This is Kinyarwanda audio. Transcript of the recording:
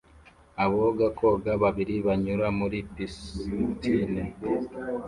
Aboga koga babiri banyura muri pristine